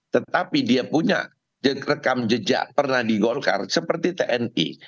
tetapi dia punya rekam jejak pernah di golkar seperti tni